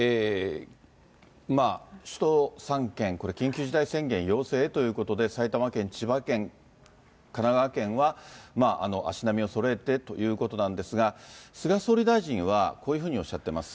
首都３県、これ、緊急事態宣言要請へということで、埼玉県、千葉県、神奈川県は、足並みをそろえてということなんですが、菅総理大臣は、こういうふうにおっしゃってます。